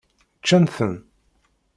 Ččan-ten?